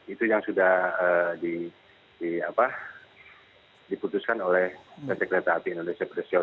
itu yang sudah diputuskan oleh kereta api indonesia presiden